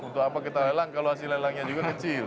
untuk apa kita lelang kalau hasil lelangnya juga kecil